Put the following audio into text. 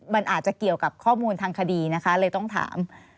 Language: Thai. มันอาจจะเกี่ยวกับข้อมูลทางคดีนะคะเลยต้องถาม